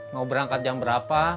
mau berangkat jam berapa